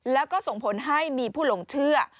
แล้วก็ส่งผลให้มีผู้หลงเชื่อ